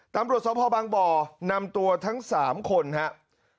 ตำรวจสภบางบ่อนำตัวทั้ง๓คนครับ